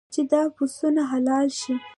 چې دا پسونه حلال شي.